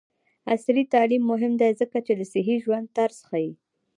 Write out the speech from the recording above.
عصري تعلیم مهم دی ځکه چې د صحي ژوند طرز ښيي.